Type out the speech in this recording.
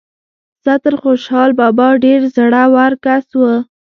ستر خوشال بابا ډیر زړه ور کس وو